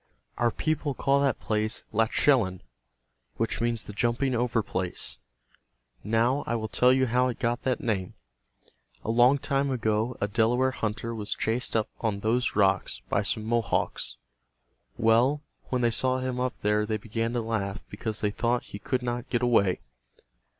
Our people call that place Laktschellan, which means the jumping over place. Now I will tell you how it got that name. A long time ago a Delaware hunter was chased up on those rocks by some Mohawks. Well, when they saw him up there they began to laugh because they thought he could not get away.